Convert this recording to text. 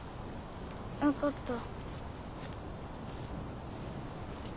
分かった。